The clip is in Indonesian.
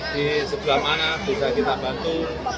di sebelah mana bisa kita bantu